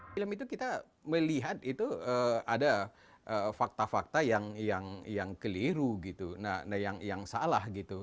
film itu kita melihat itu ada fakta fakta yang keliru gitu nah yang salah gitu